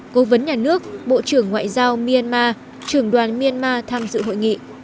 cố vấn nhà nước bộ trưởng ngoại giao myanmar trưởng đoàn myanmar tham dự hội nghị